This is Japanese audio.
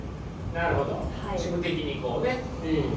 なるほど事務的にこうね。